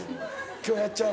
今日やっちゃう？